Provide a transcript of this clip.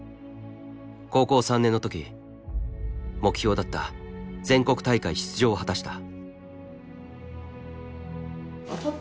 高校３年の時目標だった全国大会出場を果たした。